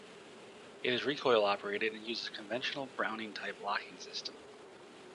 It is recoil operated and uses a conventional Browning-type locking system.